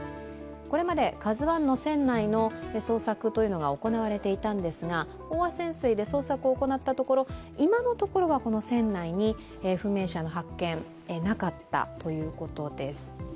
これまで「ＫＡＺＵⅠ」の船内の捜索というのが行われていたんですが飽和潜水で捜索を行ったところ今のところは船内に不明者の発見、なかったということです。